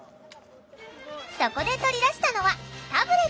そこで取り出したのはタブレット。